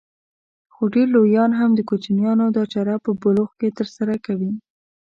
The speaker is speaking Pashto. خو ډېر لويان هم د کوچنيانو دا چاره په بلوغ کې ترسره کوي.